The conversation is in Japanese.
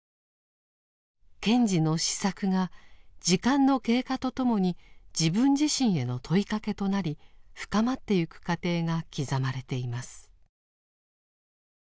賢治の思索が時間の経過とともに自分自身への問いかけとなり深まってゆく過程が刻まれています。